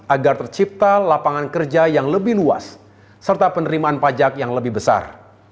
agar tercipta lapangan kerja yang lebih luas serta penerimaan pajak yang lebih besar